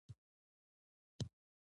زړه د رڼا سرچینه ده.